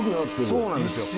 そうなんですよ。